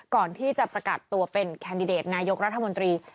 ก่อนที่จะประกาศตัวเป็นแคนดิเดตนายกรัฐมนตรี